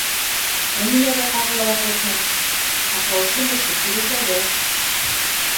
Ә нимәгә ҡағылаһығыҙ һуң? һаҡлаусы беше тиресәгә.